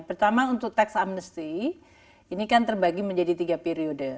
pertama untuk tax amnesty ini kan terbagi menjadi tiga periode